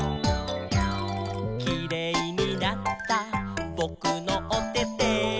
「キレイになったぼくのおてて」